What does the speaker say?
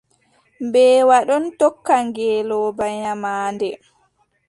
Mbeewa ɗon tokka ngeelooba nyamaande.